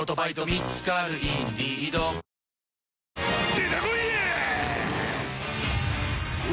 出てこいや！